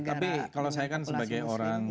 tapi kalau saya kan sebagai orang